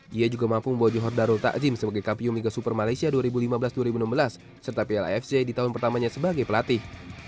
dia juga mampu membawa johor darul takzim sebagai kapio migas super malaysia dua ribu lima belas dua ribu enam belas serta plafc di tahun pertamanya sebagai pelatih